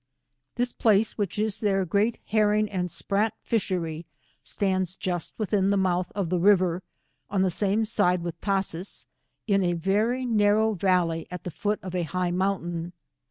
This place, which is their great herring and sprat fishery, stands just within the mouth of the river, on the same side with Tashees, in a very narrow valley at the foot of a high mountain.